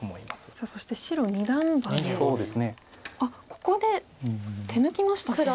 ここで手抜きましたね。